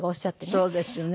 そうですよね。